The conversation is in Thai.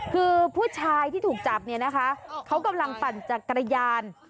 คือผู้ชายที่ถูกจับเนี่ยนะคะเขากำลังปั่นจักรยาน